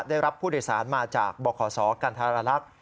ได้รับผู้โดยสารมาจากบขศกันธรรลักษณ์